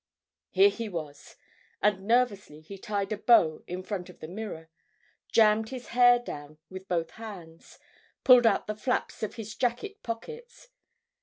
Here he was! And nervously he tied a bow in front of the mirror, jammed his hair down with both hands, pulled out the flaps of his jacket pockets.